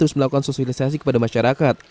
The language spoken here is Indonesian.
dan juga melakukan sosialisasi kepada masyarakat